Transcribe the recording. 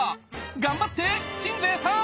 頑張って鎮西さん！